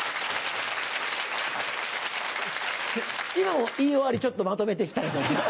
今も言い終わりちょっとまとめて来たよね。